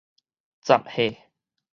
雜貨